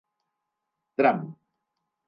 Tram: